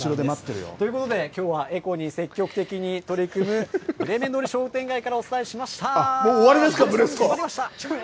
ということで、きょうはエコに積極的に取り組む、ブレーメン通りもう終わりですか、ブレスト。